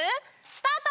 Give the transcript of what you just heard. スタート！